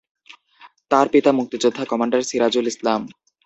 তার পিতা মুক্তিযোদ্ধা কমান্ডার সিরাজুল ইসলাম।